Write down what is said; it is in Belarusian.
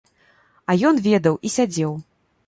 А ён ведаў і сядзеў.